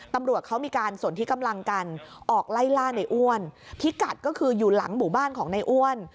ตำรวจเขามีการสนที่กำลังกันออกไล่ล่าในอ้วนพิกัดก็คืออยู่หลังหมู่บ้านของในอ้วน